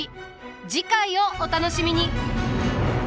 次回をお楽しみに。